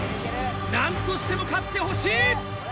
なんとしても勝ってほしい！